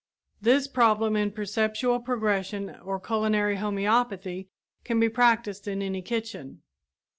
This problem in perpetual progression or culinary homeopathy can be practiced in any kitchen.